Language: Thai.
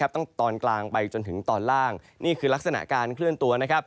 ตอนกลางไปจนถึงตอนล่างนี่คือลักษณะการเคลื่อนตัว